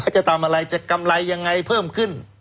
จะทำอะไรจะกำไรยังไงเพิ่มขึ้น